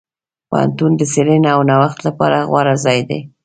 پوهنتون د څېړنې او نوښت لپاره غوره ځای دی.